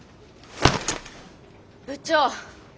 部長！